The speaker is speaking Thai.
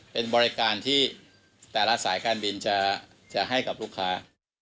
เป็นบริการที่แต่ละสายการบินจะให้กับลูกค้า